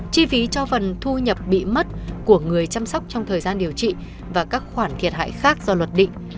chi phí cho phần thu nhập bị mất của người chăm sóc trong thời gian điều trị và các khoản thiệt hại khác do luật định